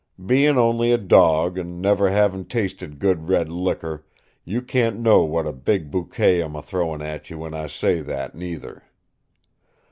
Bein' only a dawg and never havin' tasted good red liquor, you can't know what a big bouquet I'm a throwin' at you when I say that, neither.